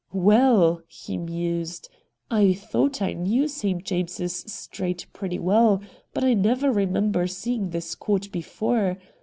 ' Well,' he mused, ' I thought I knew St. James's Street pretty well, but I never remember seeing this court before.